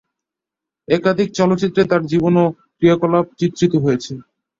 একাধিক চলচ্চিত্রে তার জীবন ও ক্রিয়াকলাপ চিত্রিত হয়েছে।